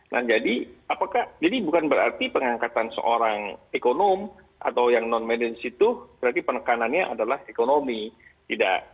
nah jadi apakah jadi bukan berarti pengangkatan seorang ekonom atau yang non medis itu berarti penekanannya adalah ekonomi tidak